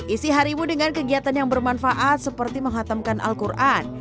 isi harimu dengan kegiatan yang bermanfaat seperti menghatamkan al quran